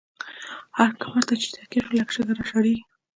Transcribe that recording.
هر کمر ته چی تکيه شو، لکه شګه را شړيږی